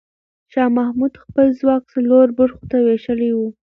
شاه محمود خپل ځواک څلور برخو ته وېشلی و.